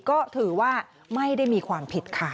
ก็ถือว่าไม่ได้มีความผิดค่ะ